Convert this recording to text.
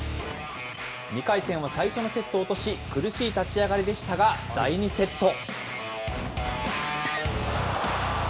２回戦は最初のセットを落として、苦しい立ち上がりでしたが、第２セット。